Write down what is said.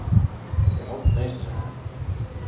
Je kinne altyd nee sizze, hin.